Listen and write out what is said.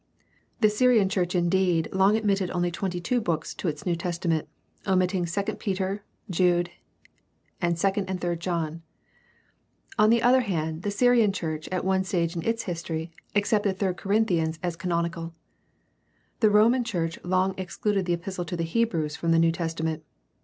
The Syrian church indeed long admitted only twenty two books to its New Testament, omitting II Peter, Jude, and II and III John. On the other hand, the Syrian church, at one stage in its history, accepted III Corinthians as canon ical. The Roman church long excluded the Epistle to the Hebrews from the New Testament.